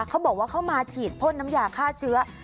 เขาบอกว่าเข้ามาฉีดพ่นน้ำยาฆ่าเชื้อ